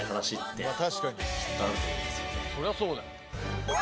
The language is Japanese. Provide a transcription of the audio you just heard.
「そりゃそうだよ」